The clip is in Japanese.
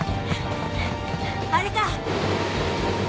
あれか！